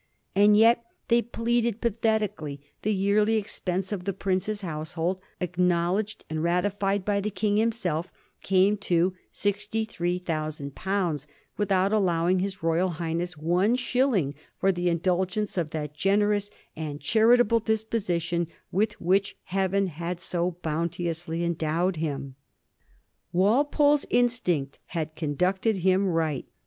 And yet, they pleaded patheti cally, the yearly expense of the prince's household, ac knowledged and ratified by the King himself, came to £63,000 without allowing his Royal Highness one shil ling for the indulgence of that generous and charitable disposition with which Heaven had so bounteously en dowed him. Walpole's instinct had conducted him right.